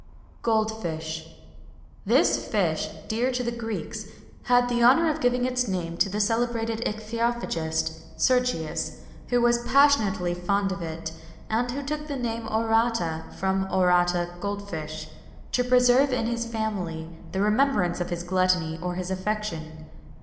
GOLD FISH. This fish, dear to the Greeks,[XXI 146] had the honour of giving its name to the celebrated icythyophagist, Sergius, who was passionately fond of it, and who took the name Orata (from Aurata gold fish), to preserve in his family the remembrance of his gluttony or of his affection.